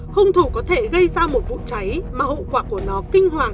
hung thủ có thể gây ra một vụ cháy mà hậu quả của nó kinh hoàng